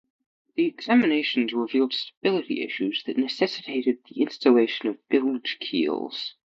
The examinations revealed stability issues that necessitated the installation of bilge keels.